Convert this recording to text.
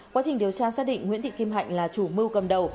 quá trình điều tra xác định nguyễn thị kim hạnh là chủ mưu cầm đầu